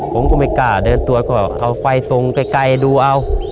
ผมก็ไม่กล้าเดินตัวก็เอาไฟทรงไกลดูเอา